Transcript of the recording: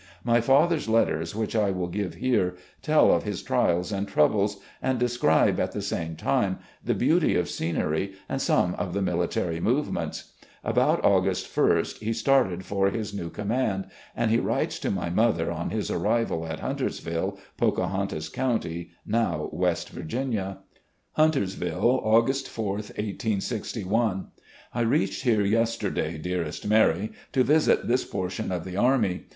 My father's letters, which I will give here, tell of his trials and troubles, and describe at the same time the beauty of scenery and some of the military movements. About August ist he started for his new command, and he writes to my mother on his arrival at Hunters ville, Pocahontas County, now West Virgmia: "Huntersville, August 4, 1861. " I reached here yesterday, dearest Mary, to visit this portion of the army.